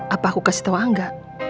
apa aku kasih tau angga